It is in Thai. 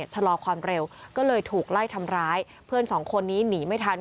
ชะลอความเร็วก็เลยถูกไล่ทำร้ายเพื่อนสองคนนี้หนีไม่ทัน